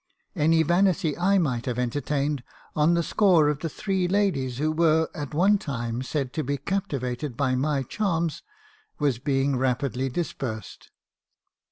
"Any vanity I might have entertained on the score of the three ladies who were, at one time, said to be captivated by my charms, was being rapidly dispersed.